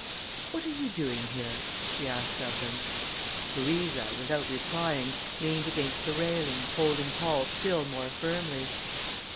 "What are you doing here?" she asked of them. Louisa, without replying, leaned against the railing, holding Paul still more firmly.